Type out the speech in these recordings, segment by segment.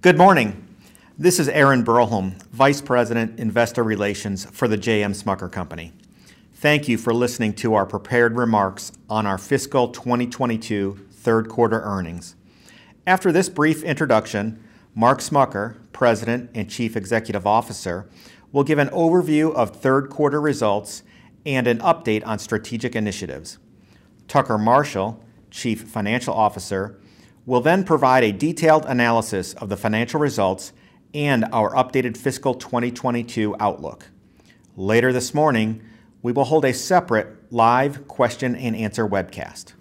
Good morning. This is Aaron Broholm, Vice President, Investor Relations for The J. M. Smucker Company. Thank you for listening to our prepared remarks on our fiscal 2022 third quarter earnings. After this brief introduction, Mark Smucker, President and Chief Executive Officer, will give an overview of third quarter results and an update on strategic initiatives. Tucker Marshall, Chief Financial Officer, will then provide a detailed analysis of the financial results and our updated fiscal 2022 outlook. Later this morning, we will hold a separate live question-and-answer webcast.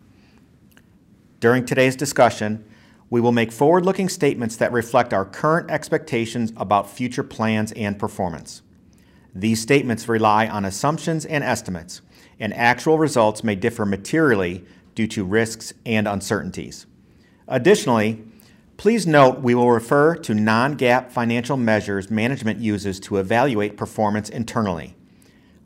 During today's discussion, we will make forward-looking statements that reflect our current expectations about future plans and performance. These statements rely on assumptions and estimates, and actual results may differ materially due to risks and uncertainties. Additionally, please note we will refer to non-GAAP financial measures management uses to evaluate performance internally.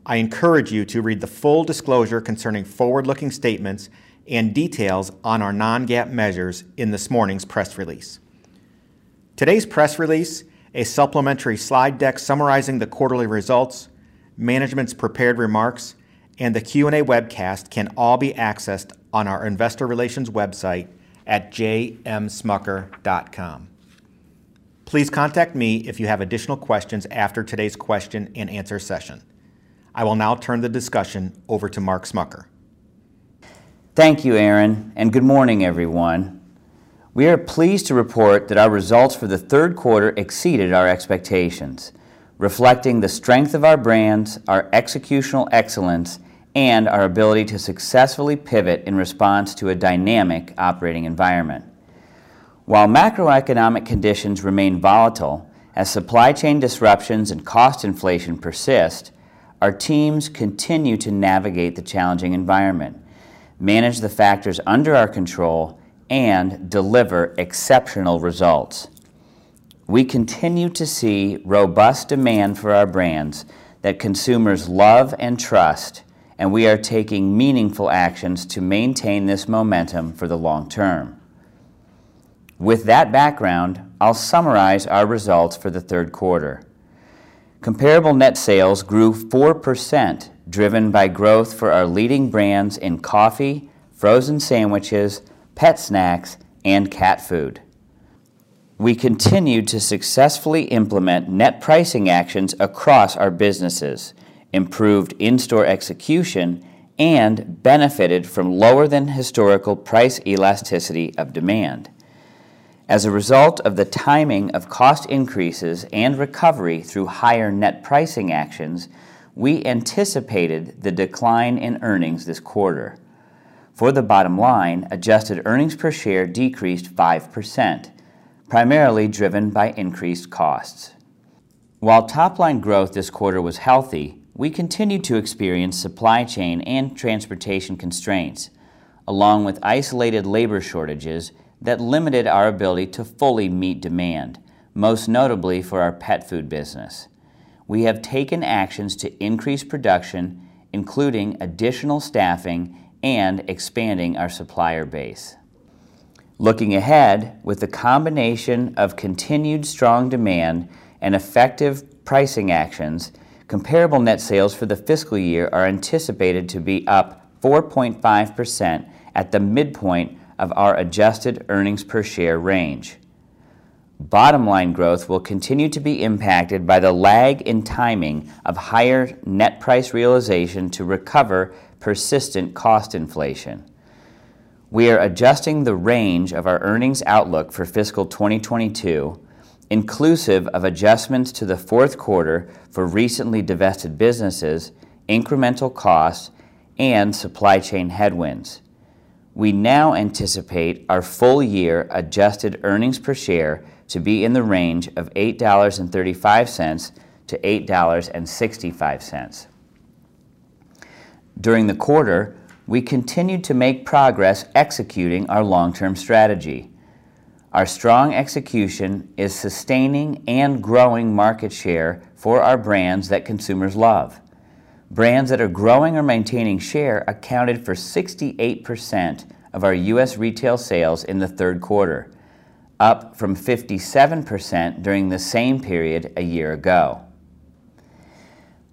I encourage you to read the full disclosure concerning forward-looking statements and details on our non-GAAP measures in this morning's press release. Today's press release, a supplementary slide deck summarizing the quarterly results, management's prepared remarks, and the Q&A webcast can all be accessed on our investor relations website at jmsmucker.com. Please contact me if you have additional questions after today's question-and-answer session. I will now turn the discussion over to Mark Smucker. Thank you, Aaron, and good morning, everyone. We are pleased to report that our results for the third quarter exceeded our expectations, reflecting the strength of our brands, our executional excellence, and our ability to successfully pivot in response to a dynamic operating environment. While macroeconomic conditions remain volatile as supply chain disruptions and cost inflation persist, our teams continue to navigate the challenging environment, manage the factors under our control, and deliver exceptional results. We continue to see robust demand for our brands that consumers love and trust, and we are taking meaningful actions to maintain this momentum for the long term. With that background, I'll summarize our results for the third quarter. Comparable net sales grew 4%, driven by growth for our leading brands in coffee, frozen sandwiches, pet snacks, and cat food. We continued to successfully implement net pricing actions across our businesses, improved in-store execution, and benefited from lower than historical price elasticity of demand. As a result of the timing of cost increases and recovery through higher net pricing actions, we anticipated the decline in earnings this quarter. For the bottom line, adjusted earnings per share decreased 5%, primarily driven by increased costs. While top-line growth this quarter was healthy, we continued to experience supply chain and transportation constraints, along with isolated labor shortages that limited our ability to fully meet demand, most notably for our pet food business. We have taken actions to increase production, including additional staffing and expanding our supplier base. Looking ahead, with the combination of continued strong demand and effective pricing actions, comparable net sales for the fiscal year are anticipated to be up 4.5% at the midpoint of our adjusted earnings per share range. Bottom line growth will continue to be impacted by the lag in timing of higher net price realization to recover persistent cost inflation. We are adjusting the range of our earnings outlook for fiscal 2022, inclusive of adjustments to the fourth quarter for recently divested businesses, incremental costs, and supply chain headwinds. We now anticipate our full-year adjusted earnings per share to be in the range of $8.35-8.65. During the quarter, we continued to make progress executing our long-term strategy. Our strong execution is sustaining and growing market share for our brands that consumers love. Brands that are growing or maintaining share accounted for 68% of our U.S. retail sales in the third quarter, up from 57% during the same period a year ago.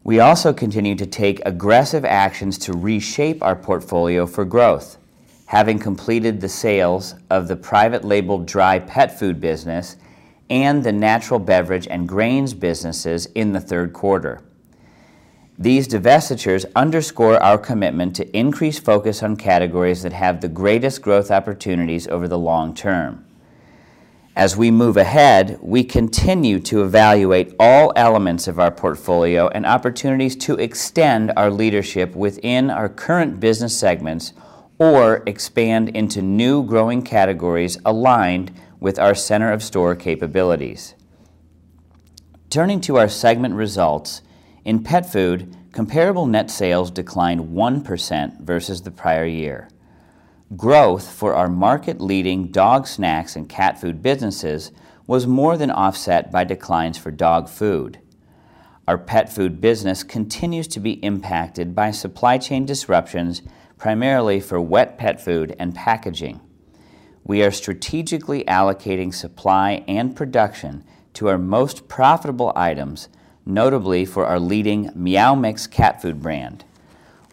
We also continued to take aggressive actions to reshape our portfolio for growth, having completed the sales of the private label dry pet food business and the natural beverage and grains businesses in the third quarter. These divestitures underscore our commitment to increase focus on categories that have the greatest growth opportunities over the long term. As we move ahead, we continue to evaluate all elements of our portfolio and opportunities to extend our leadership within our current business segments or expand into new growing categories aligned with our center-of-store capabilities. Turning to our segment results, in Pet Foods, comparable net sales declined 1% versus the prior year. Growth for our market-leading dog snacks and cat food businesses was more than offset by declines for dog food. Our pet food business continues to be impacted by supply chain disruptions, primarily for wet pet food and packaging. We are strategically allocating supply and production to our most profitable items, notably for our leading Meow Mix cat food brand.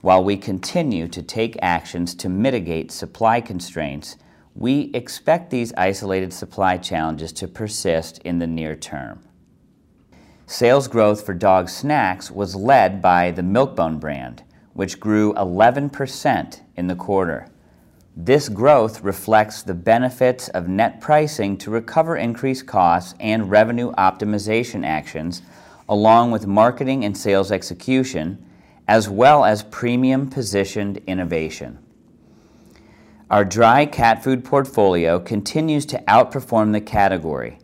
While we continue to take actions to mitigate supply constraints, we expect these isolated supply challenges to persist in the near term. Sales growth for dog snacks was led by the Milk-Bone brand, which grew 11% in the quarter. This growth reflects the benefits of net pricing to recover increased costs and revenue optimization actions, along with marketing and sales execution, as well as premium-positioned innovation. Our dry cat food portfolio continues to outperform the category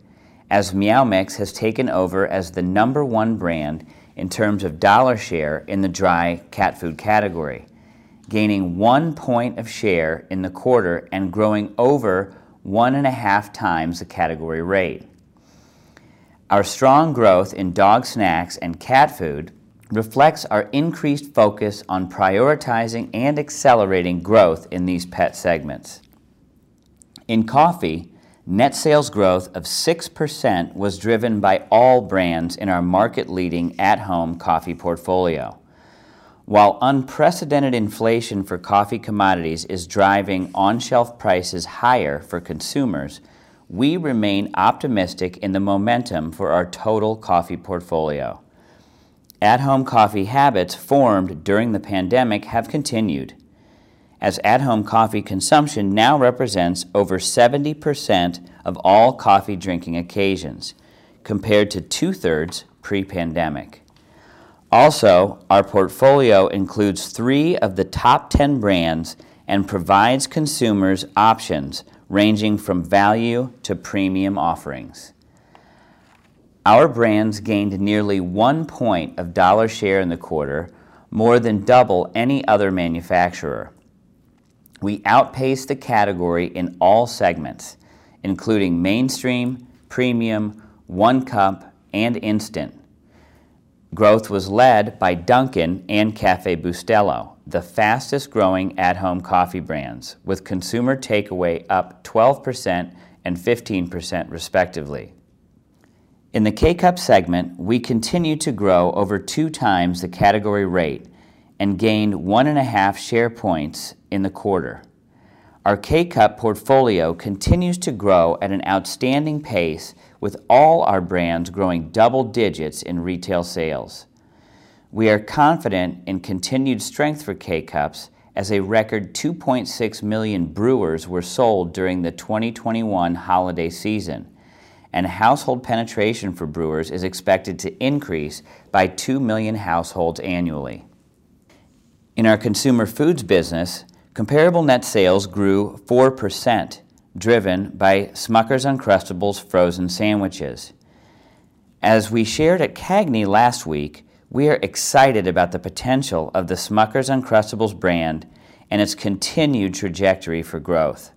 as Meow Mix has taken over as the number one brand in terms of dollar share in the dry cat food category, gaining 1 point of share in the quarter and growing over 1.5x the category rate. Our strong growth in dog snacks and cat food reflects our increased focus on prioritizing and accelerating growth in these pet segments. In coffee, net sales growth of 6% was driven by all brands in our market-leading at-home coffee portfolio. While unprecedented inflation for coffee commodities is driving on-shelf prices higher for consumers, we remain optimistic in the momentum for our total coffee portfolio. At-home coffee habits formed during the pandemic have continued as at-home coffee consumption now represents over 70% of all coffee drinking occasions, compared to two-thirds pre-pandemic. Our portfolio includes three of the top 10 brands and provides consumers options ranging from value to premium offerings. Our brands gained nearly one point of dollar share in the quarter, more than double any other manufacturer. We outpaced the category in all segments, including mainstream, premium, one cup, and instant. Growth was led by Dunkin' and Café Bustelo, the fastest-growing at-home coffee brands, with consumer takeaway up 12% and 15% respectively. In the K-Cup segment, we continued to grow over two times the category rate and gained 1.5 share points in the quarter. Our K-Cup portfolio continues to grow at an outstanding pace with all our brands growing double digits in retail sales. We are confident in continued strength for K-Cups as a record 2.6 million brewers were sold during the 2021 holiday season, and household penetration for brewers is expected to increase by 2 million households annually. In our consumer foods business, comparable net sales grew 4%, driven by Smucker's Uncrustables frozen sandwiches. As we shared at CAGNY last week, we are excited about the potential of the Smucker's Uncrustables brand and its continued trajectory for growth.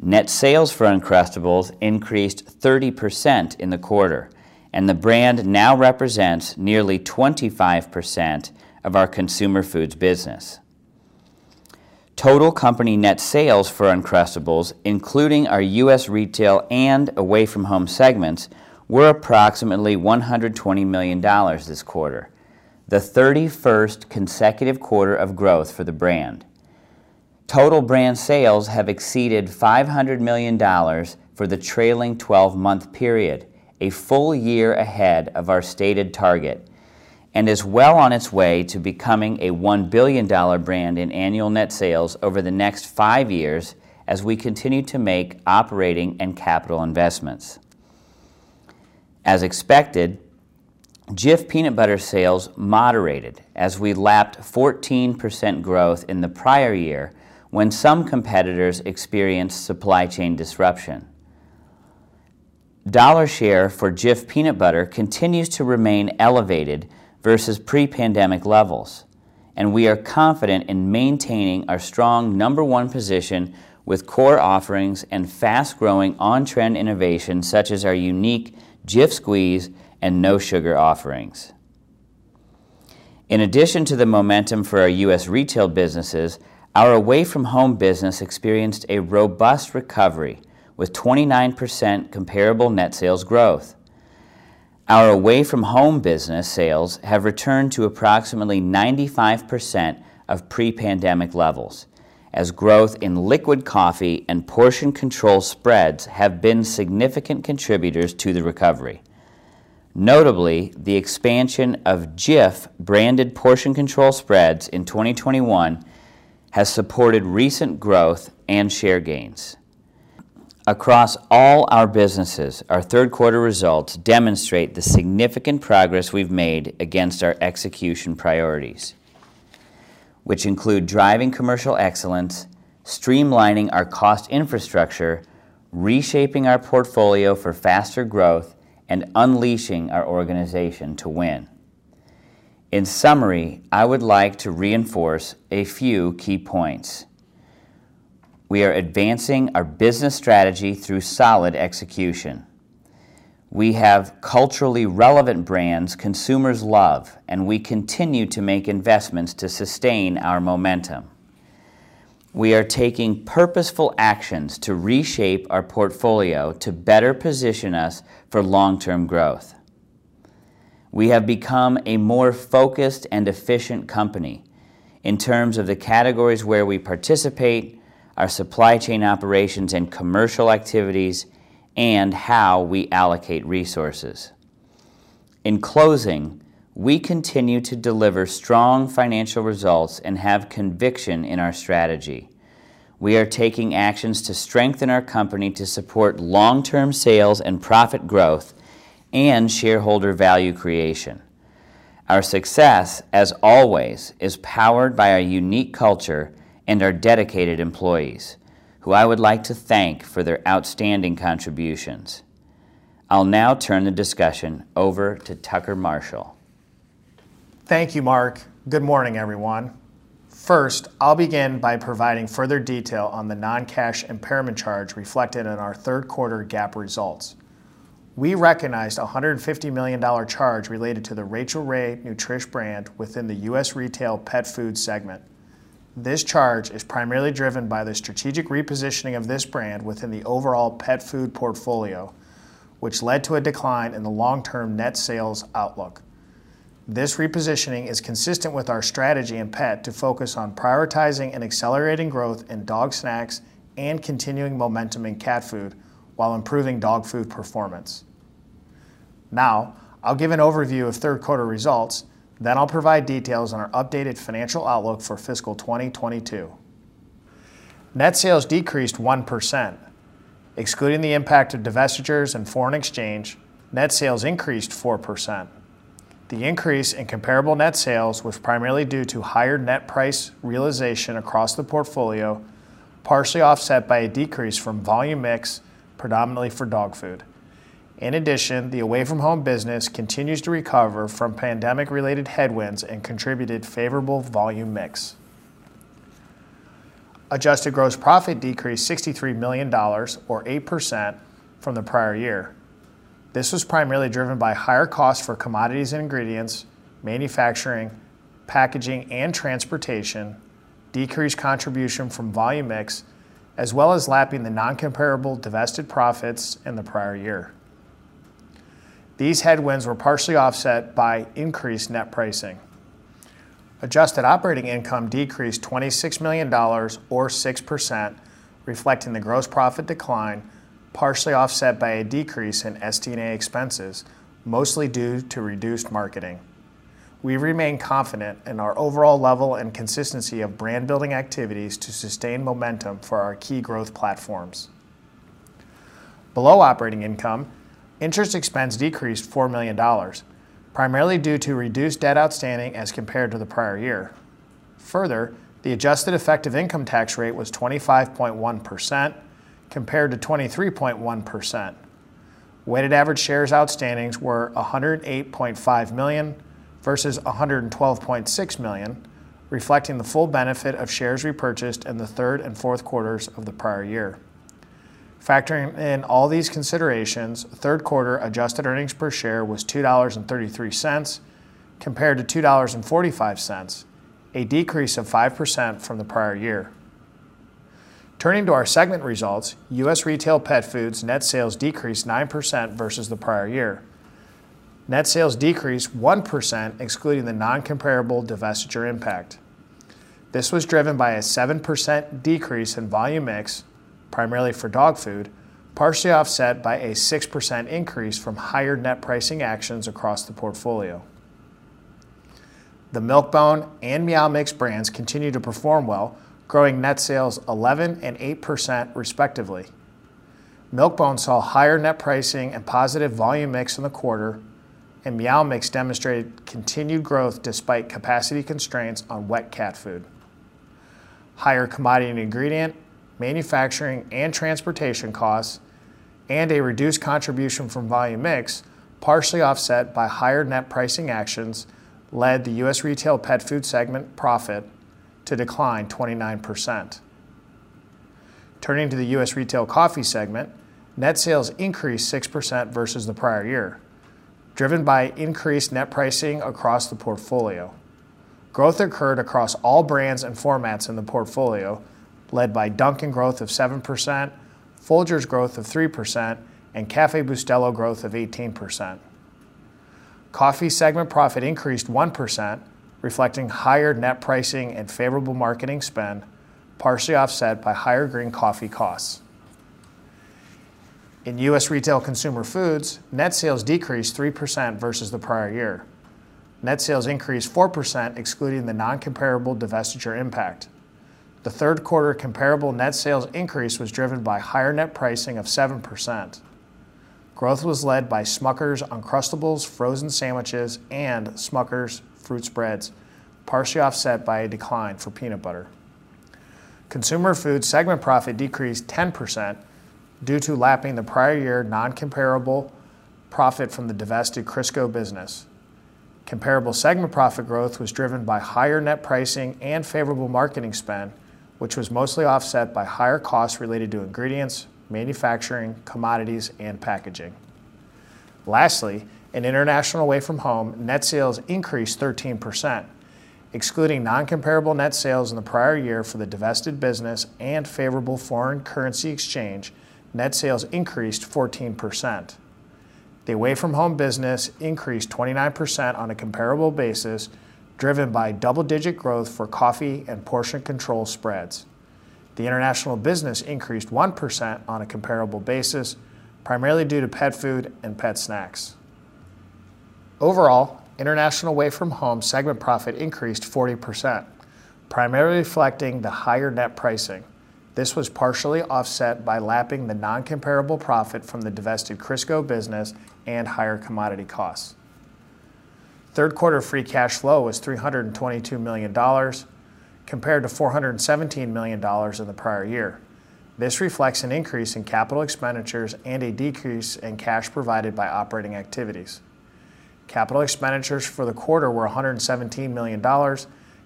Net sales for Uncrustables increased 30% in the quarter, and the brand now represents nearly 25% of our consumer foods business. Total company net sales for Uncrustables, including our U.S. retail and away from home segments, were approximately $120 million this quarter, the 31st consecutive quarter of growth for the brand. Total brand sales have exceeded $500 million for the trailing 12-month period, a full-year ahead of our stated target, and is well on its way to becoming a $1 billion brand in annual net sales over the next five years as we continue to make operating and capital investments. As expected, Jif peanut butter sales moderated as we lapped 14% growth in the prior year when some competitors experienced supply chain disruption. Dollar share for Jif peanut butter continues to remain elevated versus pre-pandemic levels, and we are confident in maintaining our strong number one position with core offerings and fast-growing on-trend innovation, such as our unique Jif Squeeze and no sugar offerings. In addition to the momentum for our U.S. retail businesses, our away from home business experienced a robust recovery with 29% comparable net sales growth. Our away from home business sales have returned to approximately 95% of pre-pandemic levels as growth in liquid coffee and portion control spreads have been significant contributors to the recovery. Notably, the expansion of Jif-branded portion control spreads in 2021 has supported recent growth and share gains. Across all our businesses, our third quarter results demonstrate the significant progress we've made against our execution priorities, which include driving commercial excellence, streamlining our cost infrastructure, reshaping our portfolio for faster growth, and unleashing our organization to win. In summary, I would like to reinforce a few key points. We are advancing our business strategy through solid execution. We have culturally relevant brands consumers love, and we continue to make investments to sustain our momentum. We are taking purposeful actions to reshape our portfolio to better position us for long-term growth. We have become a more focused and efficient company in terms of the categories where we participate, our supply chain operations and commercial activities, and how we allocate resources. In closing, we continue to deliver strong financial results and have conviction in our strategy. We are taking actions to strengthen our company to support long-term sales and profit growth and shareholder value creation. Our success, as always, is powered by our unique culture and our dedicated employees, who I would like to thank for their outstanding contributions. I'll now turn the discussion over to Tucker Marshall. Thank you, Mark. Good morning, everyone. First, I'll begin by providing further detail on the non-cash impairment charge reflected in our third quarter GAAP results. We recognized $150 million charge related to the Rachael Ray Nutrish brand within the U.S. Retail Pet Foods segment. This charge is primarily driven by the strategic repositioning of this brand within the overall pet food portfolio, which led to a decline in the long-term net sales outlook. This repositioning is consistent with our strategy in pet to focus on prioritizing and accelerating growth in dog snacks and continuing momentum in cat food while improving dog food performance. Now, I'll give an overview of third quarter results, then I'll provide details on our updated financial outlook for fiscal 2022. Net sales decreased 1%. Excluding the impact of divestitures and foreign exchange, net sales increased 4%. The increase in comparable net sales was primarily due to higher net price realization across the portfolio, partially offset by a decrease from volume mix predominantly for dog food. In addition, the away-from-home business continues to recover from pandemic-related headwinds and contributed favorable volume mix. Adjusted gross profit decreased $63 million or 8% from the prior year. This was primarily driven by higher costs for commodities and ingredients, manufacturing, packaging, and transportation, decreased contribution from volume mix, as well as lapping the non-comparable divested profits in the prior year. These headwinds were partially offset by increased net pricing. Adjusted operating income decreased $26 million or 6%, reflecting the gross profit decline, partially offset by a decrease in SD&A expenses, mostly due to reduced marketing. We remain confident in our overall level and consistency of brand building activities to sustain momentum for our key growth platforms. Below operating income, interest expense decreased $4 million, primarily due to reduced debt outstanding as compared to the prior year. Further, the adjusted effective income tax rate was 25.1% compared to 23.1%. Weighted average shares outstanding were 108.5 million versus 112.6 million, reflecting the full benefit of shares repurchased in the third and fourth quarters of the prior year. Factoring in all these considerations, third quarter adjusted earnings per share was $2.33 compared to $2.45, a decrease of 5% from the prior year. Turning to our segment results, U.S. Retail Pet Foods's net sales decreased 9% versus the prior year. Net sales decreased 1% excluding the non-comparable divestiture impact. This was driven by a 7% decrease in volume mix, primarily for dog food, partially offset by a 6% increase from higher net pricing actions across the portfolio. The Milk-Bone and Meow Mix brands continue to perform well, growing net sales 11% and 8% respectively. Milk-Bone saw higher net pricing and positive volume mix in the quarter, and Meow Mix demonstrated continued growth despite capacity constraints on wet cat food. Higher commodity and ingredient, manufacturing, and transportation costs, and a reduced contribution from volume mix, partially offset by higher net pricing actions, led the U.S. Retail Pet Foods segment profit to decline 29%. Turning to the U.S. Retail Coffee segment, net sales increased 6% versus the prior year, driven by increased net pricing across the portfolio. Growth occurred across all brands and formats in the portfolio, led by Dunkin' growth of 7%, Folgers growth of 3%, and Café Bustelo growth of 18%. Coffee segment profit increased 1%, reflecting higher net pricing and favorable marketing spend, partially offset by higher green coffee costs. In U.S. Retail Consumer Foods, net sales decreased 3% versus the prior year. Net sales increased 4% excluding the non-comparable divestiture impact. The third quarter comparable net sales increase was driven by higher net pricing of 7%. Growth was led by Smucker's Uncrustables frozen sandwiches and Smucker's fruit spreads, partially offset by a decline for peanut butter. Consumer Foods segment profit decreased 10% due to lapping the prior year non-comparable profit from the divested Crisco business. Comparable segment profit growth was driven by higher net pricing and favorable marketing spend, which was mostly offset by higher costs related to ingredients, manufacturing, commodities, and packaging. Lastly, in international away from home, net sales increased 13%. Excluding non-comparable net sales in the prior year for the divested business and favorable foreign currency exchange, net sales increased 14%. The away from home business increased 29% on a comparable basis, driven by double-digit growth for coffee and portion control spreads. The international business increased 1% on a comparable basis, primarily due to pet food and pet snacks. Overall, international away from home segment profit increased 40%, primarily reflecting the higher net pricing. This was partially offset by lapping the non-comparable profit from the divested Crisco business and higher commodity costs. Third quarter free cash flow was $322 million compared to $417 million in the prior year. This reflects an increase in capital expenditures and a decrease in cash provided by operating activities. Capital expenditures for the quarter were $117 million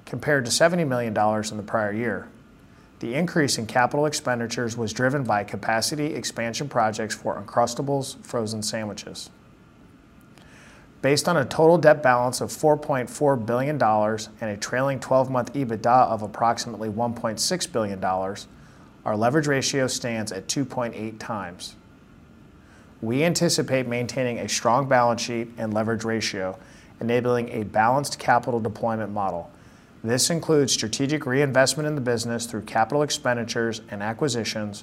compared to $70 million in the prior year. The increase in capital expenditures was driven by capacity expansion projects for Uncrustables frozen sandwiches. Based on a total debt balance of $4.4 billion and a trailing twelve-month EBITDA of approximately $1.6 billion, our leverage ratio stands at 2.8 times. We anticipate maintaining a strong balance sheet and leverage ratio, enabling a balanced capital deployment model. This includes strategic reinvestment in the business through capital expenditures and acquisitions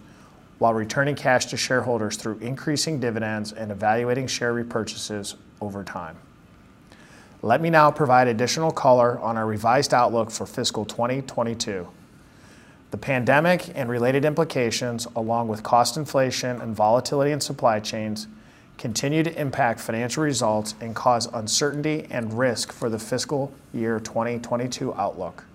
while returning cash to shareholders through increasing dividends and evaluating share repurchases over time. Let me now provide additional color on our revised outlook for fiscal 2022. The pandemic and related implications, along with cost inflation and volatility in supply chains, continue to impact financial results and cause uncertainty and risk for the fiscal year 2022 outlook.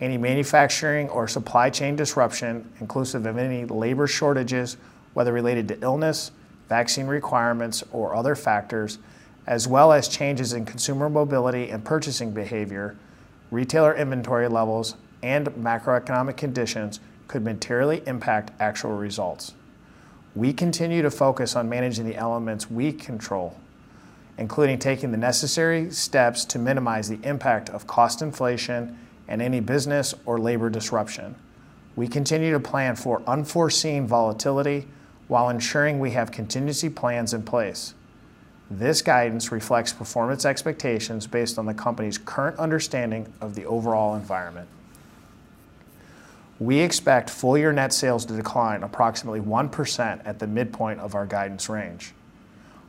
Any manufacturing or supply chain disruption, inclusive of any labor shortages, whether related to illness, vaccine requirements, or other factors, as well as changes in consumer mobility and purchasing behavior, retailer inventory levels, and macroeconomic conditions could materially impact actual results. We continue to focus on managing the elements we control, including taking the necessary steps to minimize the impact of cost inflation and any business or labor disruption. We continue to plan for unforeseen volatility while ensuring we have contingency plans in place. This guidance reflects performance expectations based on the company's current understanding of the overall environment. We expect full-year net sales to decline approximately 1% at the midpoint of our guidance range.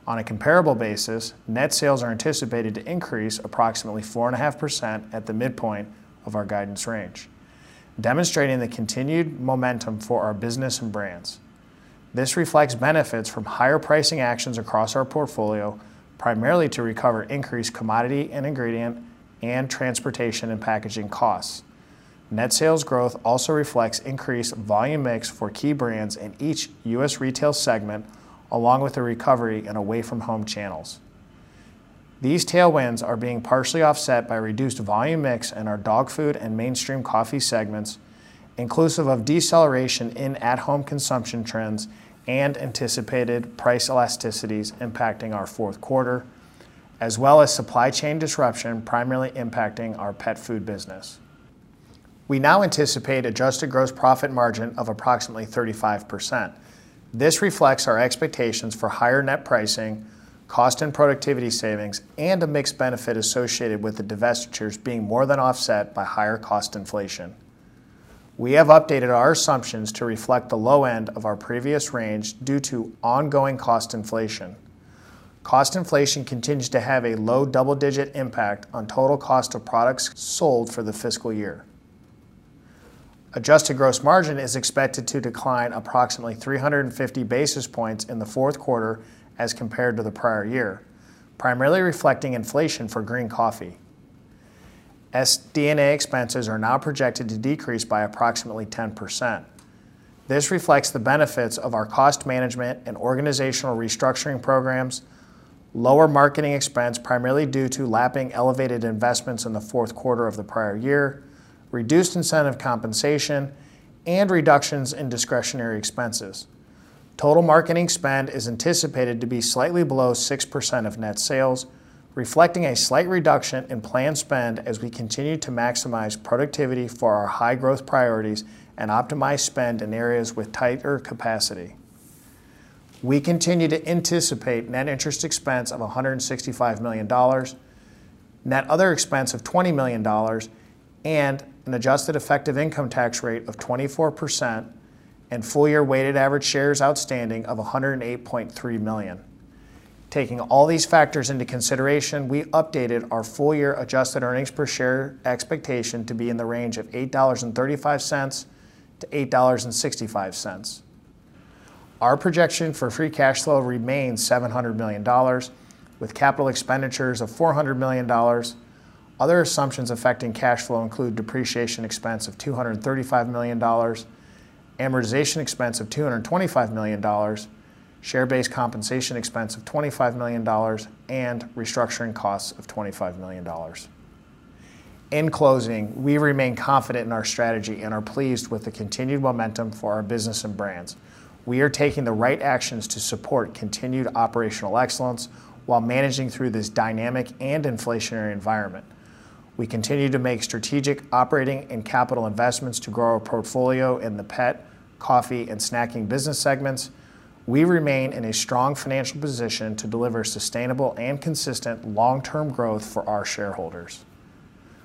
On a comparable basis, net sales are anticipated to increase approximately 4.5% at the midpoint of our guidance range, demonstrating the continued momentum for our business and brands. This reflects benefits from higher pricing actions across our portfolio, primarily to recover increased commodity and ingredient and transportation and packaging costs. Net sales growth also reflects increased volume mix for key brands in each U.S. retail segment, along with a recovery in away from home channels. These tailwinds are being partially offset by reduced volume mix in our dog food and mainstream coffee segments, inclusive of deceleration in at-home consumption trends and anticipated price elasticities impacting our fourth quarter, as well as supply chain disruption primarily impacting our pet food business. We now anticipate adjusted gross profit margin of approximately 35%. This reflects our expectations for higher net pricing, cost and productivity savings, and a mix benefit associated with the divestitures being more than offset by higher cost inflation. We have updated our assumptions to reflect the low end of our previous range due to ongoing cost inflation. Cost inflation continues to have a low double-digit impact on total cost of products sold for the fiscal year. Adjusted gross margin is expected to decline approximately 350 basis points in the fourth quarter as compared to the prior year, primarily reflecting inflation for green coffee. SD&A expenses are now projected to decrease by approximately 10%. This reflects the benefits of our cost management and organizational restructuring programs, lower marketing expense primarily due to lapping elevated investments in the fourth quarter of the prior year, reduced incentive compensation, and reductions in discretionary expenses. Total marketing spend is anticipated to be slightly below 6% of net sales, reflecting a slight reduction in planned spend as we continue to maximize productivity for our high-growth priorities and optimize spend in areas with tighter capacity. We continue to anticipate net interest expense of $165 million, net other expense of $20 million, and an adjusted effective income tax rate of 24% and full-year weighted average shares outstanding of 108.3 million. Taking all these factors into consideration, we updated our full-year adjusted earnings per share expectation to be in the range of $8.35 to $8.65. Our projection for free cash flow remains $700 million with capital expenditures of $400 million. Other assumptions affecting cash flow include depreciation expense of $235 million, amortization expense of $225 million, share-based compensation expense of $25 million, and restructuring costs of $25 million. In closing, we remain confident in our strategy and are pleased with the continued momentum for our business and brands. We are taking the right actions to support continued operational excellence while managing through this dynamic and inflationary environment. We continue to make strategic operating and capital investments to grow our portfolio in the pet, coffee, and snacking business segments. We remain in a strong financial position to deliver sustainable and consistent long-term growth for our shareholders.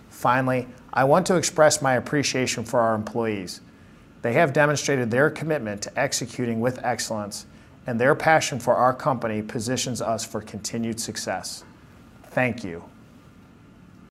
Finally, I want to express my appreciation for our employees. They have demonstrated their commitment to executing with excellence, and their passion for our company positions us for continued success. Thank you.